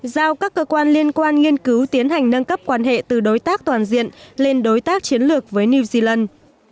giao các cơ quan liên quan nghiên cứu tiến hành nâng cấp quan hệ từ đối tác toàn diện lên đối tác chiến lược với new zealand